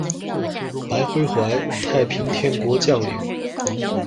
白晖怀，太平天国将领。